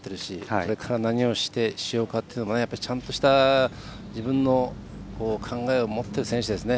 これから何をしようかというのもちゃんとした自分の考えを持っている選手ですね。